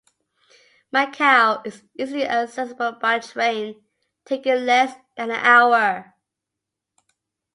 Macau is easily accessible by train, taking less than an hour.